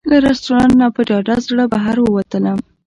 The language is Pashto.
له رسټورانټ نه په ډاډه زړه بهر ووتلم.